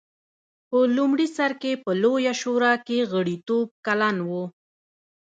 په لومړي سر کې په لویه شورا کې غړیتوب کلن و.